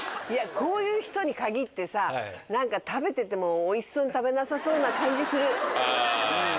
いやこういう人に限ってさなんか食べてても美味しそうに食べなさそうな感じする。